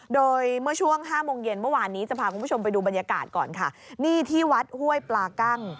โดยเมื่อช่วงห้าโมงเย็นเมื่อวานนี้จะพาคุณผู้ชมไปดูบรรยากาศก่อนค่ะนี่ที่วัดห้วยปลากั้ง